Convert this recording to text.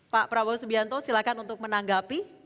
pak prabowo subianto silakan untuk menanggapi